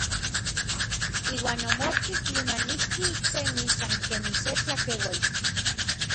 Iuan omochij nimanijki iksemi san kemij se tlakeuali.